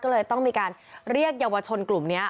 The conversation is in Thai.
ก็เลยต้องมีการเรียกเยาวชนกลุ่มนี้